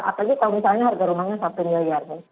apalagi kalau misalnya harga rumahnya satu miliar